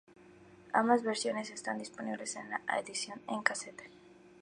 Ambas versiones están disponibles en la edición en cassette.